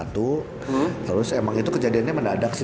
terus emang itu kejadiannya mendadak sih